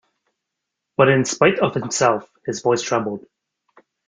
But in spite of himself his voice trembled.